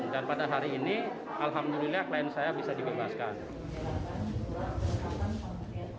dan pada hari ini alhamdulillah klien saya bisa dibebaskan